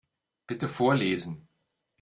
Bitte vorlesen.